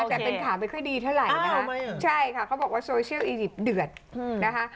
แต่เป็นข่าวไม่ค่อยดีเท่าไหร่นะคะใช่ค่ะเขาบอกว่าโซเชียลอียิปต์เดือดนะคะ